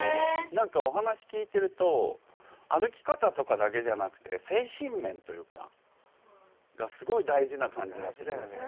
何かお話聞いてると歩き方とかだけじゃなくて精神面というかがすごい大事な感じがするんですけど。